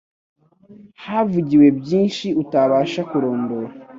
Havugiwe byinshi utabasha kurondora